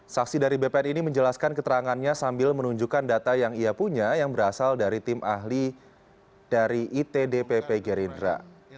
saksi dari bpn ini menjelaskan keterangannya sambil menunjukkan data yang ia punya yang berasal dari tim ahli dari itdpp gerindra